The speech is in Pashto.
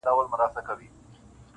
ورځ په خلوت کي تېروي چي تیاره وغوړېږي-